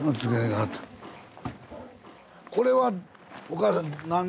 これはおかあさん